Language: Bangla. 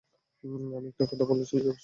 আমি একটা কথা বলেই চলে আসব।